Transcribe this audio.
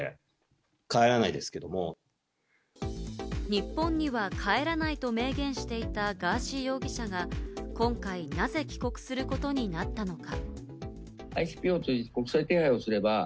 日本には帰らないと明言していたガーシー容疑者が今回なぜ、帰国することになったのか？